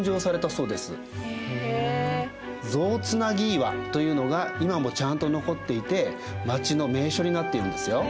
象つなぎ岩というのが今もちゃんと残っていて町の名所になっているんですよ。